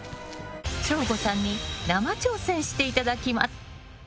省吾さんに生挑戦していただきます。